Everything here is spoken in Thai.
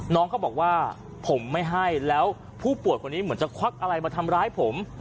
น้องเขาบอกว่าผมไม่ให้แล้วผู้ป่วยคนนี้เหมือนจะควักอะไรมาทำร้ายผม